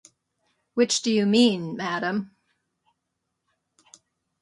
Which do you mean, madam?